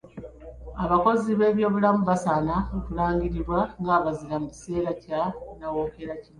Abakozi b'ebyobulamu basaana okulangirirwa ng'abazira mu kiseera kya nawookera kino